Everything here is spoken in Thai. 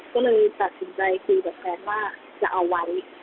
ก็เลยตัดสินใจคุยกับแฟนว่าจะเอาไว้